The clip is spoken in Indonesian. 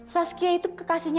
saskia itu kekasihnya